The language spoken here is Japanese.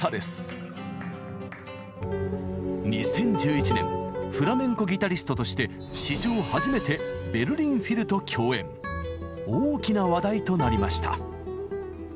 ２０１１年フラメンコギタリストとして史上初めて大きな話題となりました。